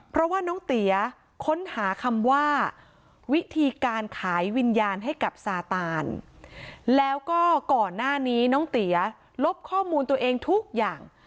เพราะว่าน้องเตี๋ยค้นหาคำว่าวิธีการขายวิญญาณให้กับซาตานแล้วก็ก่อนหน้านี้น้องเตี๋ยลบข้อมูลตัวเองทุกอย่าง